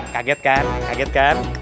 kaget kan kaget kan